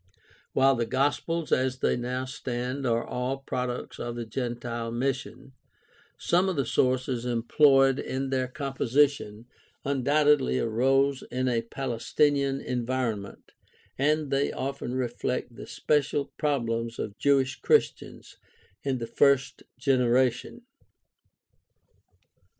While the Gospels as they now stand are all products of the gentile mission, some of the sources employed in their composi tion undoubtedly arose in a Palestinian environment, and they often reflect the special problems of Jewish Christians in the first generation.